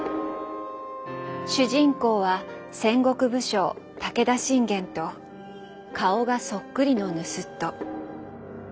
主人公は戦国武将武田信玄と顔がそっくりの盗人。